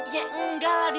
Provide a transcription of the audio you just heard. ya enggak ladi